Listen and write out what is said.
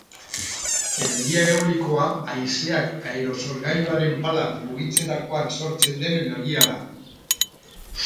Energia eolikoa haizeak aerosorgailuaren palak mugitzerakoan sortzen den energia da.